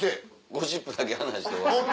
ゴシップだけ話して終わり。